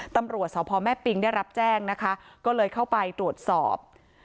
ตำรวจสพแม่ปิงได้รับแจ้งนะคะก็เลยเข้าไปตรวจสอบ